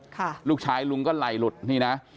ค่ะลูกชายลุงก็ไหลหลุดนี่นะ